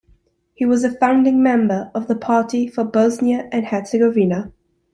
He was a founding member of the Party for Bosnia and Herzegovina.